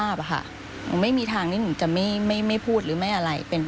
ครับแล้วทั้งคุณพ่อคุณแม่